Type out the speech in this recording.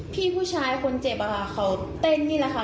พี่ผู้ชายคนเจ็บอะค่ะเขาเต้นนี่แหละค่ะ